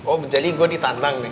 oh jadi gue ditantang nih